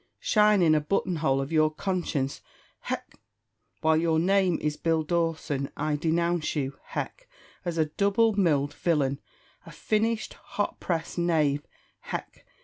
shine in the button hole of your conscience (hech!) while your name is Bill Dawson! I denounce you (hech!) as a double milled villain, a finished, hot pressed knave (hech!)